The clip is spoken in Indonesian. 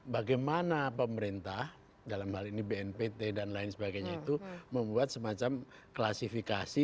bagaimana pemerintah dalam hal ini bnpt dan lain sebagainya itu membuat semacam klasifikasi